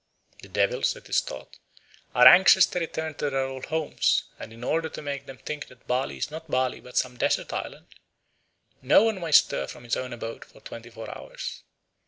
The devils, it is thought, are anxious to return to their old homes, and in order to make them think that Bali is not Bali but some desert island, no one may stir from his own abode for twenty four hours.